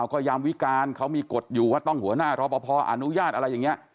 ก็ยามวิการเขามีกฎอยู่ว่าต้องหัวหน้ารอปภอนุญาตอะไรอย่างนี้